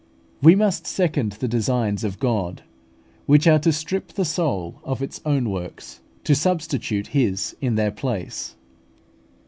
We must second the designs of God, which are to strip the soul of its own works, to substitute His in their place.